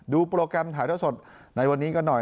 โปรแกรมถ่ายเท่าสดในวันนี้กันหน่อย